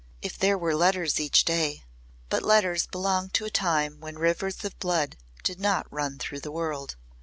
If there were letters each day! But letters belonged to a time when rivers of blood did not run through the world.